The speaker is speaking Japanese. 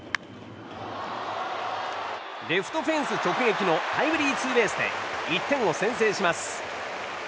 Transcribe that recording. レフトフェンス直撃のタイムリーツーベースで１点を先制します。